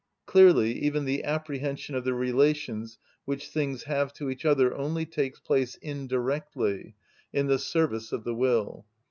Clearly even the apprehension of the relations which things have to each other only takes place, indirectly, in the service of the will.